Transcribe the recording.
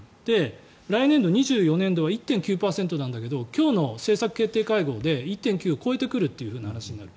来年度、２４年度は１．９％なんだけど今日の政策決定会合で１．９％を超えてくるという話になる。